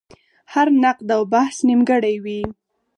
هر نقد او بحث نیمګړی وي.